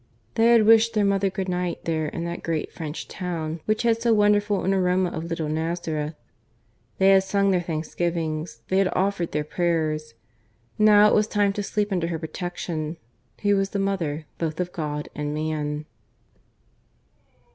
They had wished their Mother good night, there in that great French town which has so wonderful an aroma of little Nazareth; they had sung their thanksgivings; they had offered their prayers. Now it was time to sleep under Her protection, who was the Mother both of God and man.